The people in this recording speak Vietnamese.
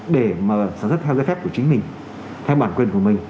để mà sản xuất theo giấy phép của chính mình theo bản quyền của mình